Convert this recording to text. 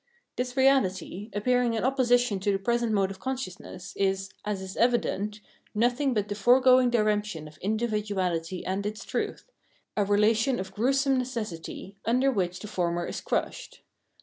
This reality, appearing in opposition to the present mode of consciousness, is, as is evident, nothing but the foregoing dixemption of individuality and its truth, a relation of gruesome necessity, under which the former is crushed.